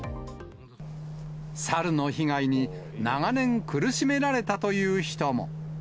サルの被害に長年、苦しめられたという人も。